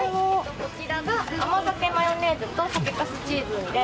こちらが甘酒マヨネーズと酒粕チーズです。